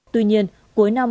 tuy nhiên cuối năm